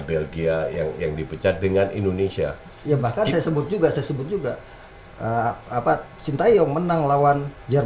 belgia yang yang dipecat dengan indonesia ya bahkan saya sebut juga saya sebut juga apa sintayong menang lawan jerman